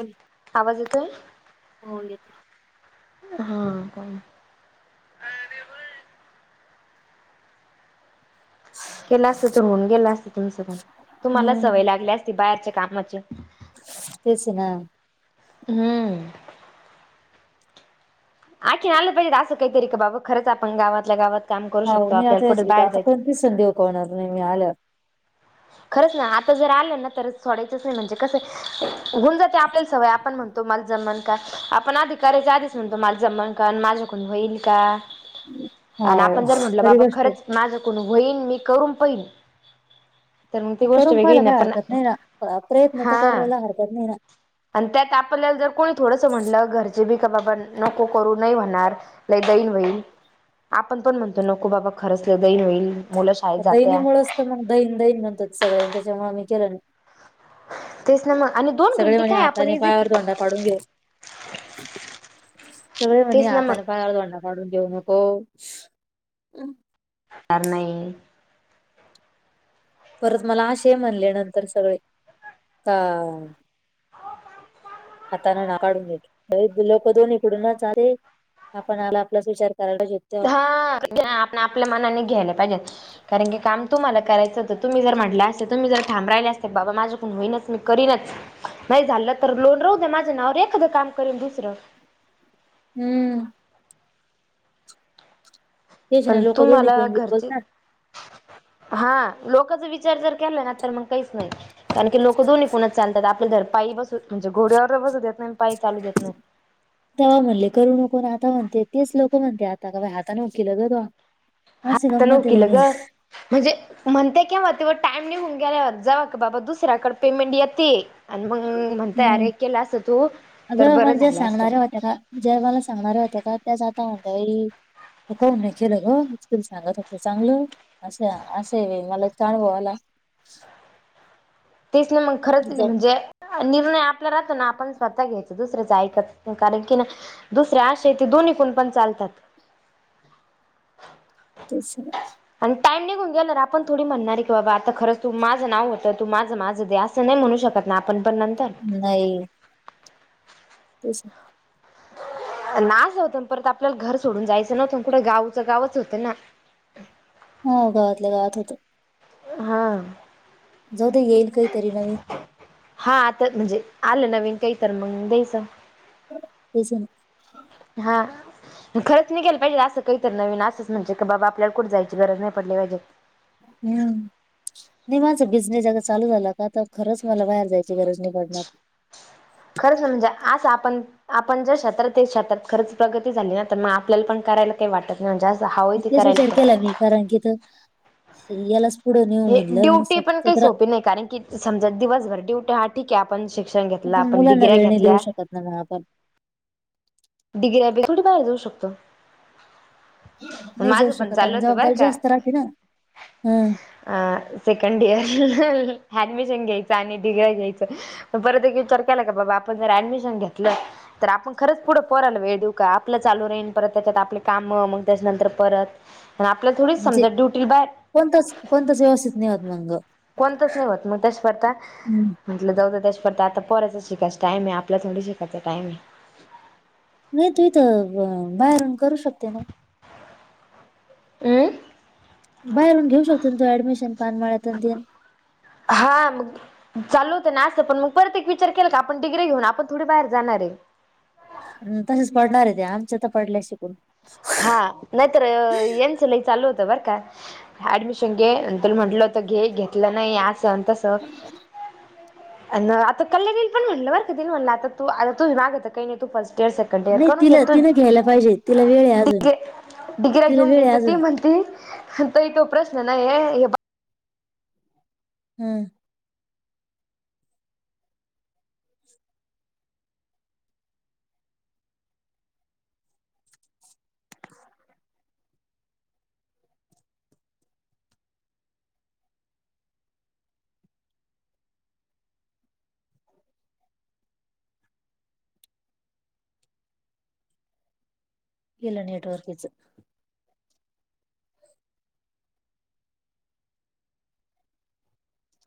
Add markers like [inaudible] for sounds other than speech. ह आवाज येतोय? हो येतोय. हां. पण- केलं असतं तर होऊन गेल असत तुमच पण. तुम्हाला सवय लागली असती बाहेरच्या कामाची. तेच ना. हं. आखीन आलं पाहिजे असं काहीतरी का बाबा, खरंच आपण गावातल्या गावात- काम करू होव. शकतो नाही आपल्याला कुठे आता बाहेर आता जायचं कोणतीच संधी हुकवणार नाही मी आल्यावर. खरंच ना. आता जर आलं ना तरच सोडायचंच नाही. म्हणजे कसं- होऊन जाते आपल्याला सवय. आपण म्हणतो मला जमल का? आपण आधी करायच्या आधीच म्हणतो. माझ जमल का आन माझ्याकडून होईल का? आणि हाव आपण जर म्हटलं खरी बाबा गोष्ट आहे खरंच माझ कडून होईल. मी करून पहीन- करून पाहिला ना काय पण हरकत नाही ना? प्रयत्न तर करायला काही हरकत नाही ना? आन त्यात आपल्याला जर कोणी थोडंसं म्हटलं घरचे बी का बाबा नको करू नाही होणार. नाही दैन होईल. आपण पण म्हणतो नको बाबा खरंच लई दैन होईल. मुलं शाळेत दैनी जात्या मुळच तर. मग दैन दैन म्हणतात सगळे न त्याच्यामुळे मी केलं नाही. तेच ना म आणि- दोन सगळे घंटे म्हणे काय आपण हाताने इझी पायावर धोंडा पाडून घेऊ- सगळे म्हणे तेच ना हातान मग पायावर धोंडा- पाडून घेऊ नको. कार नाही. परत मला आशेही म्हणले नंतर सगळे का- हाताने नाकाढून घेत काही दिलं तरी इकडूनच आली आपण आला आपलाच विचार करायला पाहिजेत. हा [unintelligible] आपणा आपल्या मनानी घ्यायला पाहिजेल. कारण की, काम तुम्हाला करायचं होत. तुम्ही जर म्हटलं असत्या तुम्ही जर ठाम राहिले असते बाबा माझ्याकडून होईनच मी करीनच नाही झालं तर लोड राहू द्या माझ्या नावावर एखादं काम करीन दुसरं. हम्म, तेच ना पण लोक तूम्हाला दोन्हीकडून बी घरची बोलतात हा लोकाचा विचार जर केल्या ना, तर मग काहीच नाही. कारण की लोक दोन्ही कुणच चालतात. आपण जर पायी बसू म्हणजे घोड्यावर बी बसू देत नाही आणि पायी चालू देत नाही. तेव्हा म्हणले करू नको. आता म्हणते तेच लोकं म्हणते आता का बा हातान केलं ग त्वा. हातानं व केलं ग. म्हणजे म्हणतेय केव्हा तेव्हा टाइम निघुन गेल्यावर जेव्हा की, बाबा दुसऱ्याकडे पेमेंट येते. आणि मग म्हणताय हम्म अरे केलं असं तू, तर बरं झालं असत. जगाला सांगणारे आता काय [unintelligible] त काऊन चेलं ग. मीच तुले सांगत होते चांगल. अशा अशे मला [unintelligible] अनुभव आला. तेच ना मग खरंच जाऊ म्हणजे निर्णय आपला राहतो ना, आपण स्वतः घ्यायच. दुसऱ्याचं ऐकत कारण की न दुसरे अशेत ते दोन्ही कुण पण चालतात. तेच [unintelligible] आणि टाइम निघून गेल्यावर आपण थोडी म्हणणार की, बाबा आता खरच तू माझं नाव होतं. तर तू माझं माझं दे असं नाही म्हणू शकत ना, आपण पण नंतर. नाही. तेच न, अन अस व्हत न परत आपल्याला घर सोडून जायचं नव्हतं. कुठं गावचं गावच होतं ना. हो गावातल्या गावात होत. हां, जाऊ दे येईल काहीतरी नवीन. हा आता म्हणजे आलं नवीन काही तर मग द्यायचं. तेच हे ना, हां, खरंच निघाल पाहिजे असं काहीतर नवीन असंच म्हणजे की बाबा, आपल्याला कुठ जायची गरज नाही पडली पाहिजे. हम्म, नाही माझं बिझनेस ज्यादा चालू झाला का तर खरंच मला बाहेर जायची गरज नाही पडणार. खरंच म्हणजे आंस आपण आपण ज्या क्षेत्रात आहे क्षेत्रात खरच प्रगती झाली ना, त मग आपल्याला पण करायला काही वाटत नाही. म्हणजे अस हाव मग येती तेच करायला विचार पण. केला मी कारण की इथं, यालाच पुढं नेऊ हे म्हणलं मग ड्युटी पण काही सतरा सोपी नाही कारण की समजा दिवसभर डिवट्या हा ठीक आहे आपण शिक्षण घेतलं पण आपण मुलांना डिग्र्या वेळ नाही घेतल्या. [unintelligible] डिगऱ्या बी थोडी बाहेर जाऊ शकतो. नाही जाऊ माझं पण शकत. चालू आणि होतं बरं जबाबदारी का जास्त राहते ना, हम्म, अ सेकंड इयर ऍडमिशन घ्यायचं आणि डिगऱ्या घ्यायचं. पण परत एक विचार केला का बाबा आपण जर ऍडमिशन घेतलं. तर आपण खरंच पुढं पोराला वेळ देऊ का. आपल चालू राहीन. परत त्याच्यात आपले काम. मग त्याच्यानंतर परत आणि, आपल्याला थोडीच म्हणजे समजा ड्युटीला बाहेर कोणताच कोणताच व्यवस्थित नाही होत मग कोणतच नाही होत. मग त्याच्या करता हम् म्हटल जाऊ द्या. त्याच्या परता आता पोराचा शिकायचा टाईमय. आपला थोडी शिकायचा टाईम आहे. नाही तु इथ बाहेरून करू शकते ना. अम्म बाहेरून घेऊ शकतो ना तु ऍडमिशन. पानमळ्यात अन तेन. हा म चालु होत ना अस पण. मग परत एक विचार केला की आपण डिग्री घेऊन आपण थोडी बाहेर जाणार आहे. तसेच पडणार आहे ते. आमच्या तर पडल्या शिकून. हा, नाहीतर यांच ल‌ई चालू होत बर का. ऍडमिशन घे. तुला म्हटल होत घे. घेतल नाही. अस अन तस. अ आता कल्याणी पण म्हटल बर का, तीला म्हटल आता तू आता तू मागेत काही नाही तू फर्स्ट इयर स नाही तिला, तिन घ्यायला पाहिजे. तिला वेळ आहे अजून डिगे डिग्रे तिला घेऊन वेळ घे. आहे त ती अजून म्हणती ताई तो प्रश्न नाहीये. हे हम्म गेल नेटवर्क इच.